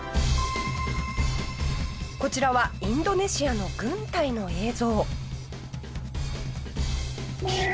こちらはインドネシアの軍隊の映像。